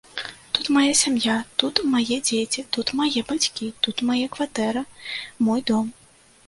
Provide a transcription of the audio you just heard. Тут мая сям'я, тут мае дзеці, тут мае бацькі, тут мае кватэра, мой дом.